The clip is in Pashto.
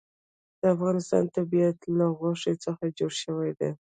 د افغانستان طبیعت له غوښې څخه جوړ شوی دی.